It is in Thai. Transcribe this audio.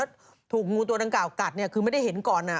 แล้วถูกงูตัวดังกล่ากัดเนี่ยคือไม่ได้เห็นก่อน